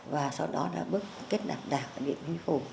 và sau đó là bức kết đạp đạc ở địa bình khủng